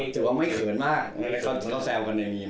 ถือว่าไม่เขินมากเขาแซวกันในมีม